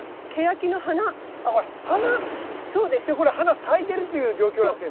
じゃあこれ花咲いてるっていう状況なんですか？